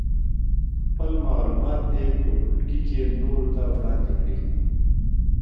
خپل معلومات دې په ټولګي کې نورو ته وړاندې کړي.